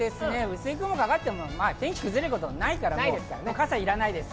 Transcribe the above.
薄い雲がかかっても、天気が崩れることはないから、傘はいらないです。